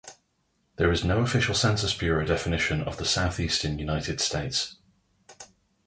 There is no official Census Bureau definition of the southeastern United States.